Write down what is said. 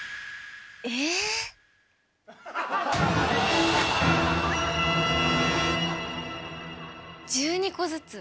えぇ⁉１２個ずつ。